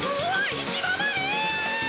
行き止まり！